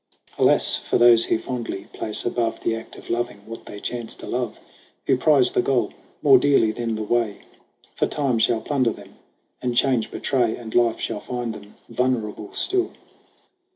Alas for those who fondly place above The act of loving, what they chance to love ; Who prize the goal more dearly than the way ! For time shall plunder them, and change betray, And life shall find them vulnerable still.